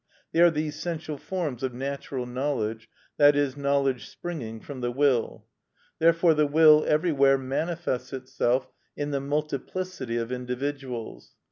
They are the essential forms of natural knowledge, i.e., knowledge springing from the will. Therefore the will everywhere manifests itself in the multiplicity of individuals.